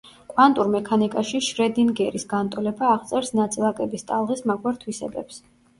კვანტურ მექანიკაში შრედინგერის განტოლება აღწერს ნაწილაკების ტალღის მაგვარ თვისებებს.